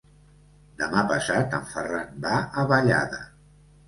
Demà passat en Ferran va a Vallada.